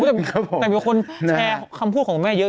แต่เป็นคนแชร์คำพูดงานของคุณแม่เยอะอีก